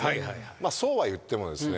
そうはいってもですね